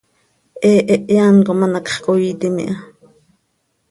He hehe án com ano hacx coiitim iha.